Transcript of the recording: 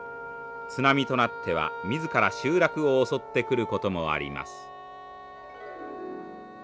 津波となっては自ら集落を襲ってくることもあります。